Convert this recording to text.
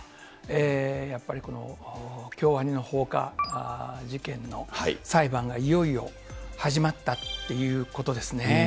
やっぱりこの、京アニの放火事件の裁判がいよいよ始まったっていうことですね。